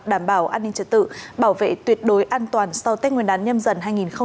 đảm bảo an ninh trật tự bảo vệ tuyệt đối an toàn sau tết nguyên đán nhâm dần hai nghìn hai mươi bốn